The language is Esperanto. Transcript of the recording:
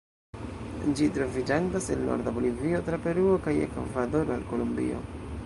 Ĝi troviĝantas el norda Bolivio, tra Peruo kaj Ekvadoro al Kolombio.